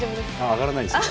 上がらないんですよ